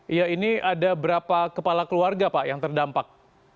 iya ini ada berapa kepala keluarga pak yang terdampak